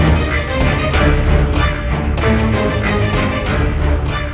aku simpan di sebelah sana